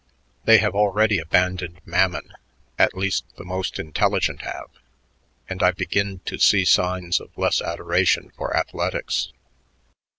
They have already abandoned Mammon; at least, the most intelligent have, and I begin to see signs of less adoration for athletics.